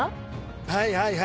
はいはいはい。